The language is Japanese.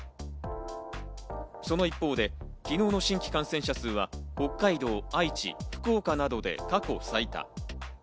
その一方で昨日の新規感染者数は北海道、愛知、福岡などで過去最多。